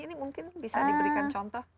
ini mungkin bisa diberikan contoh